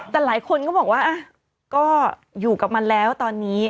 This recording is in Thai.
แต่หลายคนก็บอกว่าก็อยู่กับมันแล้วตอนนี้